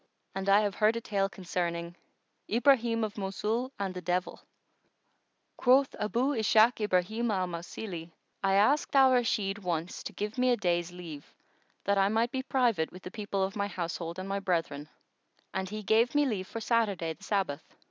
And I have heard a tale concerning IBRAHIM OF MOSUL AND THE DEVIL.[FN#118] Quoth Abu Ishak Ibrahim al Mausili:—I asked Al Rashid once to give me a day's leave that I might be private with the people of my household and my brethren, and he gave me leave for Saturday the Sabbath.